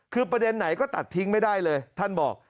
คือประเด็นไหนก็ตัดทิ้งไม่ได้เลยท่านบอก